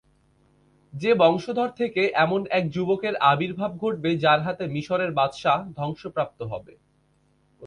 যে বংশধর থেকে এমন এক যুবকের আবির্ভাব ঘটবে যার হাতে মিসরের বাদশাহ ধ্বংসপ্রাপ্ত হবে।